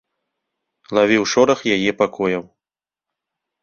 Лавіў шорах яе пакояў.